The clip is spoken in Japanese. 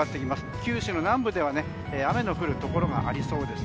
九州の南部では雨の降るところがありそうです。